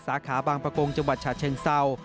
สาขาบางประกงจังหวัดฉะเชิงเศร้า